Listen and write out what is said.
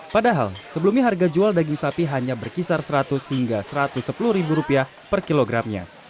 padahal sebelumnya harga jual daging sapi hanya berkisar seratus hingga rp satu ratus sepuluh per kilogramnya